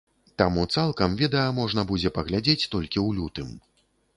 Таму цалкам відэа можна будзе паглядзець толькі ў лютым.